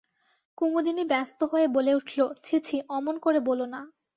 কুমুদিনী ব্যস্ত হয়ে বলে উঠল, ছি ছি, অমন করে বোলো না।